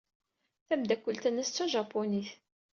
Tameddakelt-nnes d tajapunit.